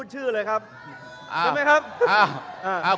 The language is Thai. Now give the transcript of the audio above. คุณจิลายุเขาบอกว่ามันควรทำงานร่วมกัน